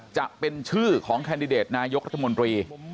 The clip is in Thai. จะเป็นชื่อของแคนดิเดตนายกรัฐมนตรี